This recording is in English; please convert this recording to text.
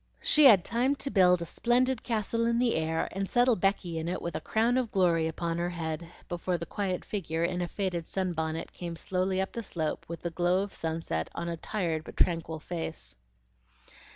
She had time to build a splendid castle in the air and settle Becky in it with a crown of glory on her head, before the quiet figure in a faded sunbonnet came slowly up the slope with the glow of sunset on a tired but tranquil face.